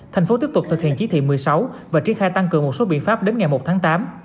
thành phố tiếp tục thực hiện chỉ thị một mươi sáu và triển khai tăng cường một số biện pháp đến ngày một tháng tám